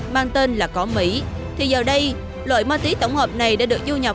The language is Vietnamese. mang tên là cỏ mỹ thì giờ đây loại ma túy tổng hợp này đã được du nhập